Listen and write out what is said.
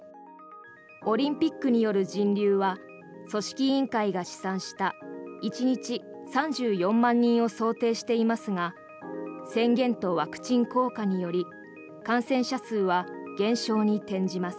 オリンピックによる人流は組織委員会が試算した１日３４万人を想定していますが宣言とワクチン効果により感染者数は減少に転じます。